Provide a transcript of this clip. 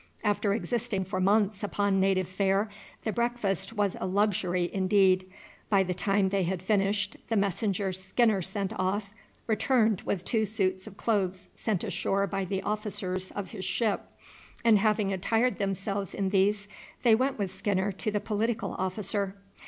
After existing for months upon native fare the breakfast was a luxury indeed. By the time they had finished, the messenger Skinner sent off returned with two suits of clothes sent ashore by the officers of his ship, and having attired themselves in these they went with Skinner to the political officer.